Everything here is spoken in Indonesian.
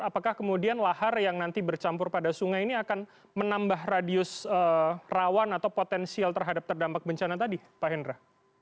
apakah kemudian lahar yang nanti bercampur pada sungai ini akan menambah radius rawan atau potensial terhadap terdampak bencana tadi pak hendra